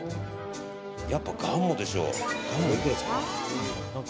やっぱり、がんもでしょ。